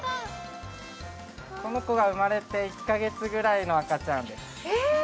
この子が生まれて１カ月くらいの赤ちゃんです。